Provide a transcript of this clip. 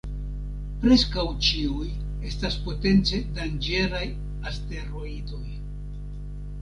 Preskaŭ ĉiuj estas potence danĝeraj asteroidoj.